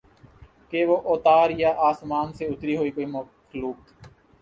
کہ وہ اوتار یا آسمان سے اتری ہوئی کوئی مخلوق